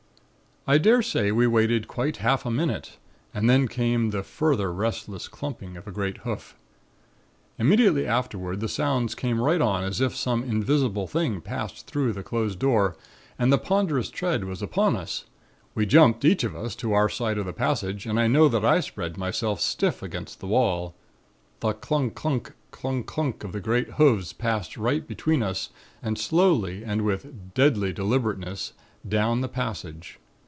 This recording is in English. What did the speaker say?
"I dare say we waited quite half a minute and then came the further restless clumping of a great hoof. Immediately afterward the sounds came right on as if some invisible thing passed through the closed door and the ponderous tread was upon us. We jumped, each of us, to our side of the passage and I know that I spread myself stiff against the wall. The clungk clunck, clungk clunck, of the great hoof falls passed right between us and slowly and with deadly deliberateness, down the passage.